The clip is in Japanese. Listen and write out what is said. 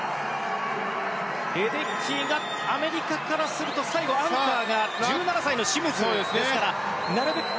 レデッキーがアメリカからすると最後、アンカーが１７歳のシムズですからなるべく